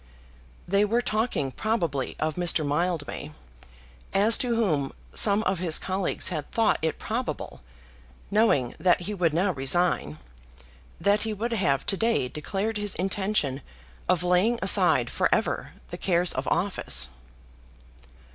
They were talking probably of Mr. Mildmay, as to whom some of his colleagues had thought it probable, knowing that he would now resign, that he would have to day declared his intention of laying aside for ever the cares of office.